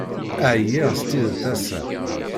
Ɛyiɣ s tidet ass-a.